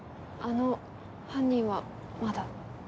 あの犯人はまだ？